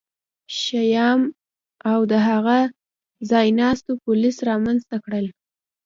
شیام او د هغه ځایناستو پولیس رامنځته کړل